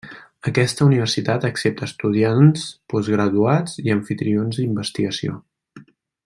Aquesta Universitat accepta estudiants, postgraduats i amfitrions d’investigació.